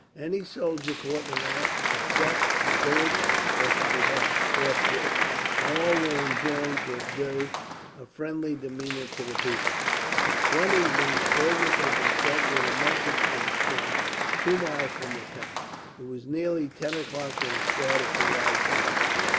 Any soldier caught in an act of theft or pillage was to be hung, forthwith, and all were enjoined to observe a friendly demeanour to the people. One evening, Fergus had been sent with a message to the camp, two miles from the town. It was nearly ten o'clock when he started to ride back.